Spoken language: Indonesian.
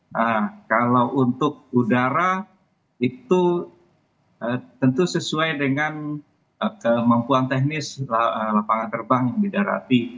nah kalau untuk udara itu tentu sesuai dengan kemampuan teknis lapangan terbang yang didarati